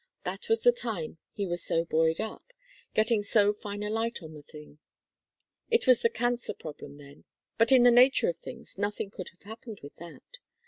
That was the time he was so buoyed up getting so fine a light on the thing. It was the cancer problem then but in the nature of things nothing could have happened with that.